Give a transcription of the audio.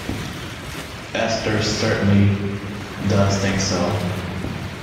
Esther certainly does think so.